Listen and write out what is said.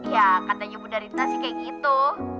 ya katanya bunda rita sih kayak gitu